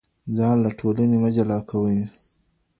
ځان له ټولني مه جلا کوئ.